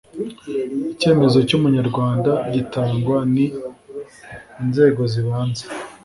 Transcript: icyemezo cy umunyarwanda gitangwa n inzego zibanze